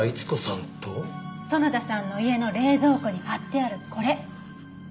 園田さんの家の冷蔵庫に貼ってあるこれ。